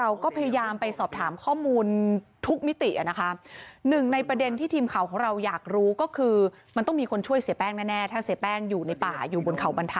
แล้วก็ในหัวของการคุยให้ลูกเทพศาพที่ใช้ชีวิต